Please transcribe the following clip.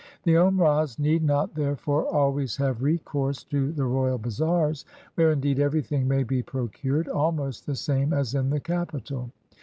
The Omrahs need not, therefore, always have recourse to the royal bazaars, where indeed everything may be procured, ahnost the same as in the capital.